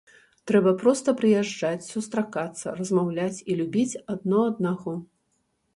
Трэба проста прыязджаць, сустракацца, размаўляць і любіць адно аднаго.